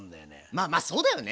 まあまあそうだよね。